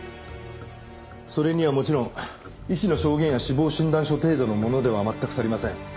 それにはもちろん医師の証言や死亡診断書程度のものでは全く足りません。